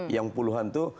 yang puluhan itu